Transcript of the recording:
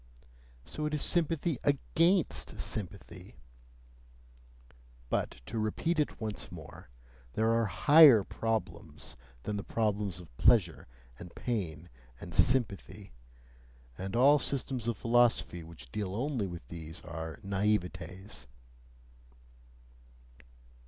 So it is sympathy AGAINST sympathy! But to repeat it once more, there are higher problems than the problems of pleasure and pain and sympathy; and all systems of philosophy which deal only with these are naivetes.